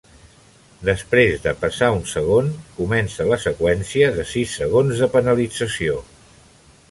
Després de passar un segon, comença la seqüència de sis segons de penalització.